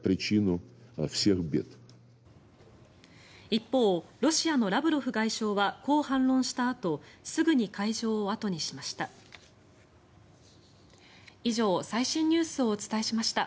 一方ロシアのラブロフ外相はこう反論したあとすぐに会場を後にしました。